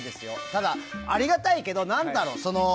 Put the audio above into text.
ただ、ありがたいけどなんだろう。